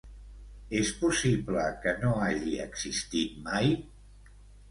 És possible que no hagi existit mai?